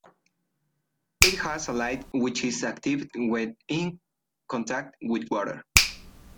It has a light which is activated when in contact with water.